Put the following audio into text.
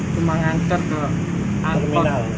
semangat angkot ke terminal